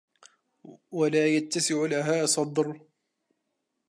وَلَا يَتَّسِعُ لَهَا صَدْرٌ